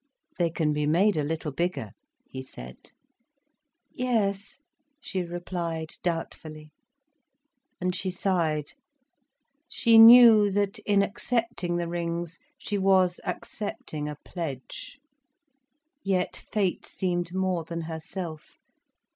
"They can be made a little bigger," he said. "Yes," she replied, doubtfully. And she sighed. She knew that, in accepting the rings, she was accepting a pledge. Yet fate seemed more than herself.